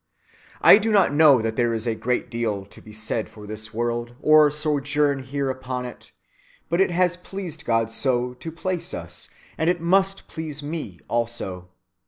"I do not know that there is a great deal to be said for this world, or our sojourn here upon it; but it has pleased God so to place us, and it must please me also.